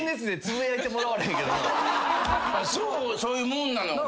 そういうもんなのか。